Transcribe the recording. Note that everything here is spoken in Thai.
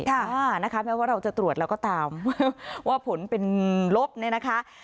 ค่ะนะคะแม้ว่าเราจะตรวจแล้วก็ตามว่าผลเป็นลบเนี่ยนะคะ